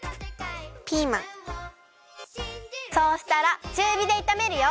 そうしたらちゅうびでいためるよ。